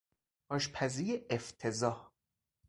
آشپزی افتضاح